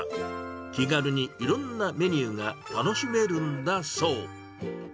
気軽にいろんなメニューが楽しめるんだそう。